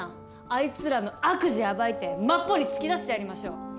あいつらの悪事暴いてマッポに突き出してやりましょ！